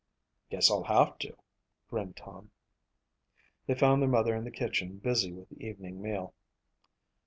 "Guess I'll have to," grinned Tom. They found their mother in the kitchen busy with the evening meal.